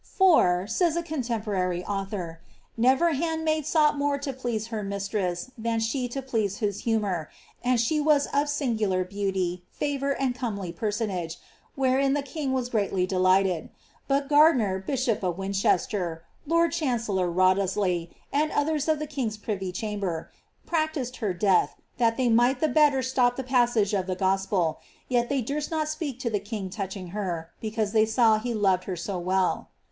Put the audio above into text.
^ For," says a contempo rary author, ^^ never handmaid sought more to please her mistress than she to please his humour; and slie was of singular beauty, favour, and comely personage, wherein the king was greatly delighted. But Gar diner, bishop of Winchester, lord chancellor Wriothesley, and others of the king^s privy chamber, practised her death, that they might the better stop the passage of the GospeU yet they durst not speak to the king touching her, because they saw he loved her so well."'